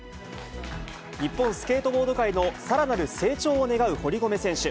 日本スケートボード界のさらなる成長を願う堀米選手。